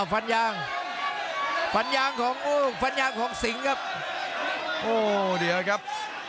ฟันยางฟันยางของโอ้ฟันยางของสิงครับโอ้เดี๋ยวครับ